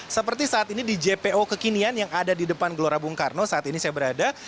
seperti saat ini di jpo kekinian yang ada di depan gelora bung karno saat ini saya berada